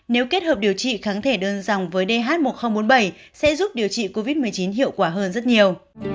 nếu kết hợp điều trị kháng thể đơn dòng với dh một nghìn bốn mươi bảy sẽ giúp điều trị covid một mươi chín hiệu quả hơn rất nhiều